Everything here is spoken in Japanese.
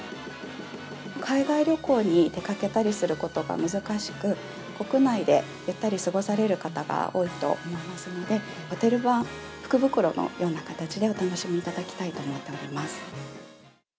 海外旅行に出かけたりすることが難しく、国内でゆったり過ごされる方が多いと思いますので、ホテル版福袋のような形でお楽しみいただきたいと思っております。